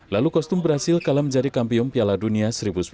lalu kostum brazil kalah menjadi kampion piala dunia